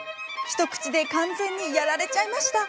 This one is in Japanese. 一口で完全にやられちゃいました。